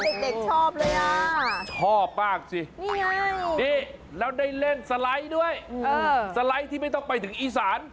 เด็กชอบเลยอ่ะชอบมากสินี่ไงนี่แล้วได้เล่นสไลด์ด้วยสไลด์ที่ไม่ต้องไปถึงอีสาน